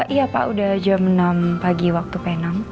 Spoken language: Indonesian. iya pak udah jam enam pagi waktu p enam